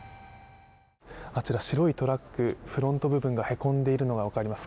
あちら、白いトラック、フロント部分がへこんでいるのが分かります。